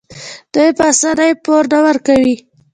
دوی په اسانۍ پور نه ورکوي.